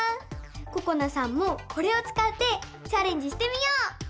ここなさんもこれをつかってチャレンジしてみよう！